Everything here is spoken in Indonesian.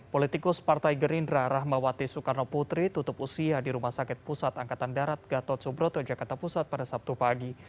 politikus partai gerindra rahmawati soekarno putri tutup usia di rumah sakit pusat angkatan darat gatot subroto jakarta pusat pada sabtu pagi